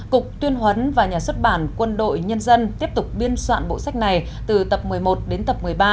cục tuyên huấn và nhà xuất bản quân đội nhân dân tiếp tục biên soạn bộ sách này từ tập một mươi một đến tập một mươi ba